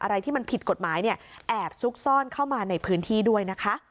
อะไรที่มันผิดกฎหมายเนี่ยแอบซุกซ่อนเข้ามาในพื้นที่ด้วยนะคะ